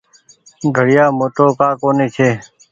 گهڙيآ موٽو ڪآ ڪونيٚ ڇي ۔